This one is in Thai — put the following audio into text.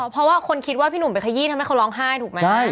เพราะว่าคนคิดว่าพี่หนุ่มไปขยี้ทำให้เขาร้องไห้ถูกไหม